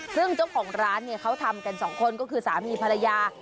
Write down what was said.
ซึ่งเจ้าของร้านเนี่ยเขาทำกันสองคนก็คือสามีภรรยา